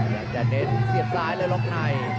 อยากจะเน้นเสียบซ้ายเลยล็อกใน